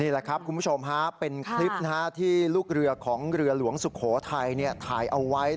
แหละครับคุณผู้ชมเป็นคลิปที่ลูกเรือของเรือหลวงสุโขทัยถ่ายเอาไว้